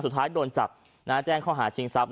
สุดท้ายโดนจับแจ้งข้อหาชิงทรัพย